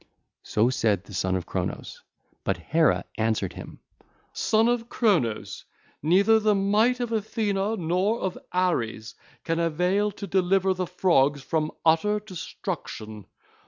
(ll. 277 284) So said the Son of Cronos; but Hera answered him: 'Son of Cronos, neither the might of Athena nor of Ares can avail to deliver the Frogs from utter destruction.